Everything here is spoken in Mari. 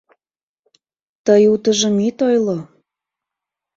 Тый утыжым ит ойло!